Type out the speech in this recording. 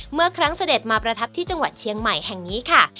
เมื่อครั้งเสด็จมาประทับที่จังหวัดเชียงใหม่แห่งนี้ค่ะ